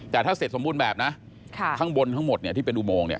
แต่ถ้าเสร็จสมบูรณ์แบบนะข้างบนทั้งหมดเนี่ยที่เป็นอุโมงเนี่ย